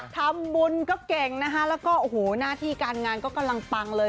ทำบุญก็เก่งนะคะแล้วก็โอ้โหหน้าที่การงานก็กำลังปังเลย